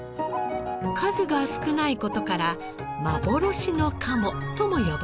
数が少ない事から「幻の鴨」とも呼ばれます。